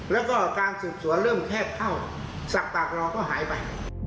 แล้วก็การสืบสวนเริ่มแคบเข้าสักปากรอก็หายไป